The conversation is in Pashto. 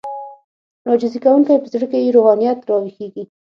عاجزي کوونکی په زړه کې يې روحانيت راويښېږي.